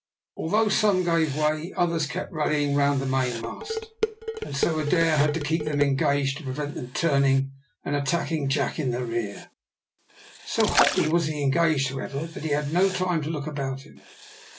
Although some gave way, others kept rallying round the mainmast, and so Adair had to keep them engaged to prevent them turning and attacking Jack in the rear. So hotly was he engaged, however, that he had no time to look about him.